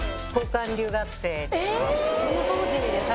その当時にですか？